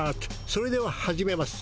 それでは始めます。